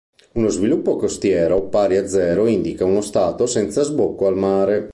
Uno sviluppo costiero pari a zero indica uno stato senza sbocco al mare.